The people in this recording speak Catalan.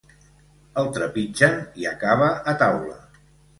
El trepitgen i acaba a taula.